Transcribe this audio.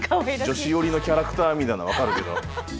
女子よりのキャラクターみたいな分かるけど。